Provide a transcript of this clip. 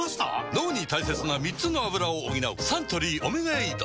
脳に大切な３つのアブラを補うサントリー「オメガエイド」